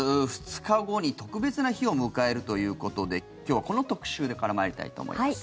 ２日後に特別な日を迎えるということで今日はこの特集から参りたいと思います。